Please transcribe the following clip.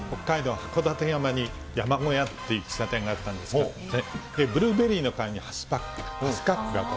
函館山にやまごやっていう喫茶店があったんですが、ブルーベリーの代わりにハスカップが。